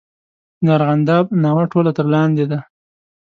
د ارغنداب ناوه ټوله تر لاندې ده.